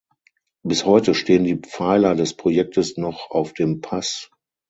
Bis heute stehen die Pfeiler des Projektes noch auf dem Pass.